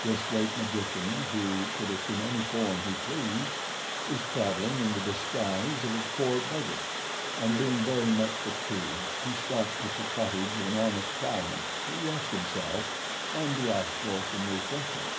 This great magician, who could assume any form he pleased, was traveling in the disguise of a poor beggar, and being very much fatigued, he stopped at the cottage of an honest plowman to rest himself, and ask for some refreshment.